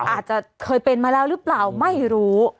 อาจจะเคยเป็นมาแล้วหรือเปล่าไม่รู้